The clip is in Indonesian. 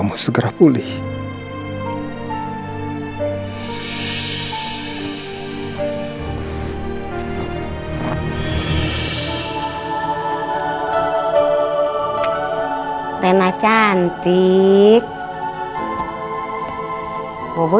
dan memperbaiki rumah tangga aku